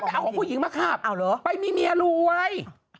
ไปเอาของผู้หญิงมาขับไปมีเมียรวย